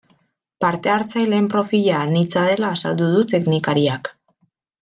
Parte hartzaileen profila anitza dela azaldu du teknikariak.